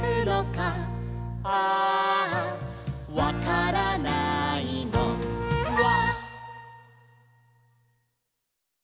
「アアわからないのフワ」